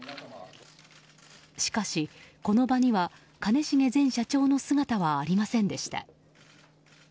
しかし、この場には兼重前社長の姿はありませんでした。